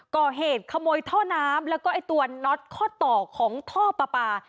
ก่อเหตุขโมยท่อน้ำแล้วก็ไอ้ตัวน็อตข้อต่อของท่อปลาปลา